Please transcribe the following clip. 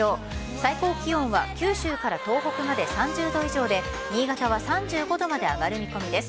最高気温は九州から東北まで３０度以上で、新潟は３５度まで上がる見込みです。